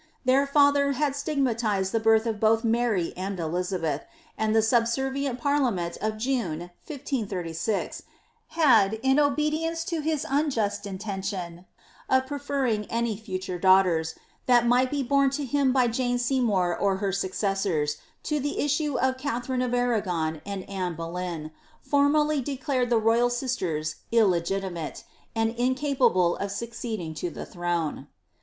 Their father had stigmatized the birth of both Mary and Elizabeth, and the subservient parliament of June, 1536, had, in obedieooe to his unjust intention of preferring any future daughters, that might be bom to him by Jane Seymour or her successors, to the issue of Katharine of Arragon and Anne Boleyn, formally declared the royal sisters illegitimate, and incapable of succeeding to the throne.